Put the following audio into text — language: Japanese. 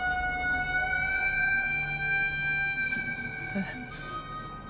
えっ？